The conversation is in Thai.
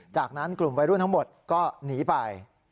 จากนั้นกลุ่มวัยรุ่นทั้งหมดก็หนีไป